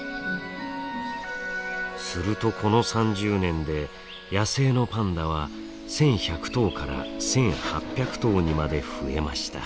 するとこの３０年で野生のパンダは１，１００頭から１，８００頭にまで増えました。